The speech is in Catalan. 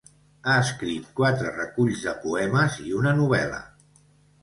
Ha escrit quatre reculls de poemes i una novel·la.